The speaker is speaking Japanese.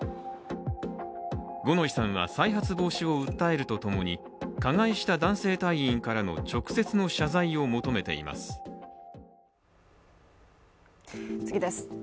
五ノ井さんは、再発防止を訴えると共に加害した男性隊員からの直接の謝罪を求めています。